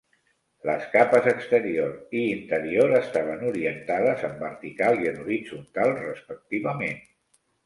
Les capes exterior i interior estaven orientades en vertical i en horitzontal, respectivament.